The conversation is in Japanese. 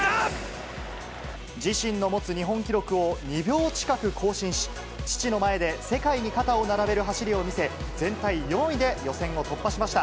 ディフェンディングチャンピオン、の後ろ、日本の田中、自身の持つ日本記録を２秒近く更新し、父の前で世界に肩を並べる走りを見せ、全体４位で予選を突破しました。